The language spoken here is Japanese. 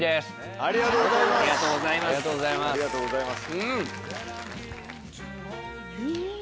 ありがとうございます。